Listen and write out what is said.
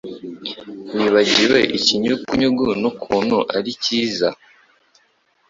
Wibagiwe ikinyugunyugu nukuntu ari kiza